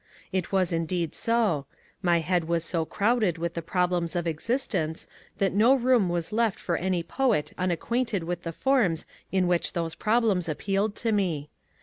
It was indeed so ; my head was so crowded with the problems of existence that no room was left for any poet unacquainted with the forms in which those problems appealed to me.